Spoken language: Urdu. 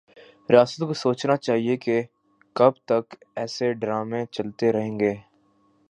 ریاست کو سوچنا چاہیے کہ کب تک ایسے ڈرامے چلتے رہیں گے